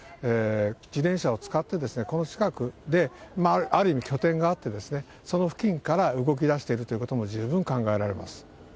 自転車を使ってこの近くで、ある意味、拠点があって、その付近から動きだしてるということも十分考えられます。